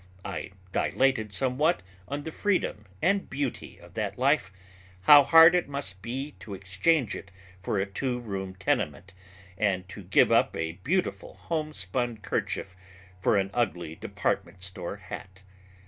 I dilated somewhat on the freedom and beauty of that life how hard it must be to exchange it all for a two room tenement, and to give up a beautiful homespun kerchief for an ugly department store hat.